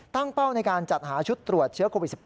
เป้าในการจัดหาชุดตรวจเชื้อโควิด๑๙